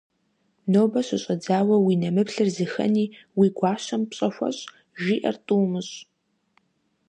- Нобэ щыщӀэдзауэ уи нэмыплъыр зыхэни, уи гуащэм пщӀэ хуэщӀ, жиӀэр тӀу умыщӀ.